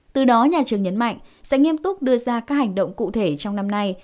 từ đó nhà trường nhấn mạnh sẽ nghiêm túc đưa ra các hành động cụ thể trong năm nay